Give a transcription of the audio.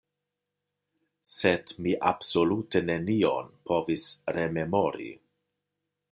Sed mi absolute nenion povis rememori.